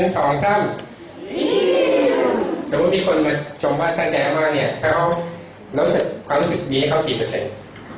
สมมุติมีคนมาชมว่าตั้งใจมากมากเนี่ยแล้วความรู้สึกดีให้เขากี่เปอร์เซ็นต์